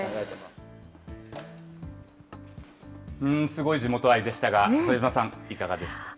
すごい地元愛でしたが、副島さん、いかがでしたか？